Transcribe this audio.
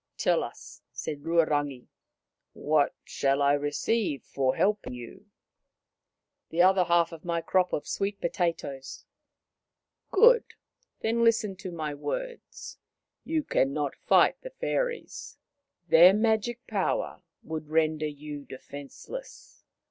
" Tell us," said Ruarangi. " What shall I receive for helping you ?"" The other half of my crop of sweet potatoes." The Magician's Magic 77 11 Good. Then listen to my words. You can not fight the fairies. Their magic power would render you defenceless.